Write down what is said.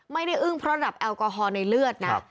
อึ้งเพราะระดับแอลกอฮอลในเลือดนะ